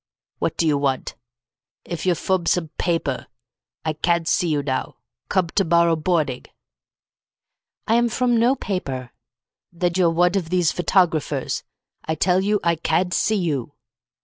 What do you want? If you're forb sub paper, I cad't see you now. Cub to borrow bordig." "I am from no paper." "Thed you're wud of these photographers. I tell you, I cad't see you."